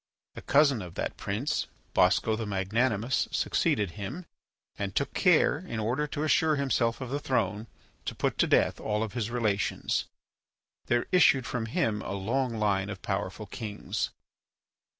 A cousin of that prince, Bosco the Magnanimous, succeeded him, and took care, in order to assure himself of the throne, to put to death all his relations. There issued from him a long line of powerful kings.